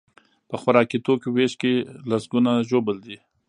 په خوراکي توکیو ویش کې لسکونه ژوبل دي.